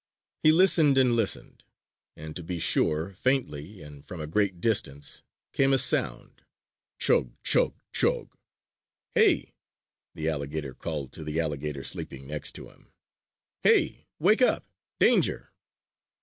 He listened and listened, and, to be sure, faintly, and from a great distance, came a sound: Chug! Chug! Chug! "Hey!" the alligator called to the alligator sleeping next to him, "Hey! Wake up! Danger!"